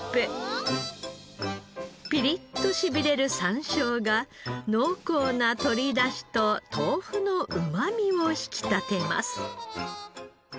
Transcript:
ピリッとしびれる山椒が濃厚な鶏だしと豆腐のうまみを引き立てます。